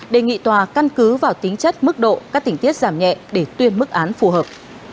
đề nghị tòa căn cứ vào tính chất mức độ các tỉnh tiết giảm nhẹ để tuyên mức án phù hợp